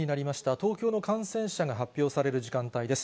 東京の感染者が発表される時間帯です。